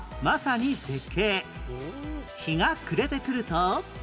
日が暮れてくると